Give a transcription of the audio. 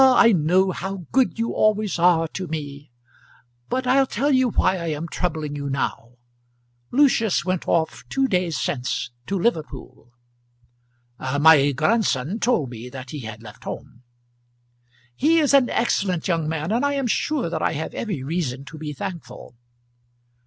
I know how good you always are to me. But I'll tell you why I am troubling you now. Lucius went off two days since to Liverpool." "My grandson told me that he had left home." "He is an excellent young man, and I am sure that I have every reason to be thankful."